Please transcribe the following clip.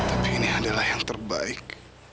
tapi ini adalah yang terbaik